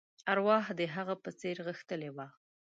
ارواح د هغه په څېر غښتلې وه.